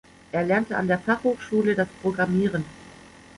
Er lernte an der Fachhochschule das Programmieren.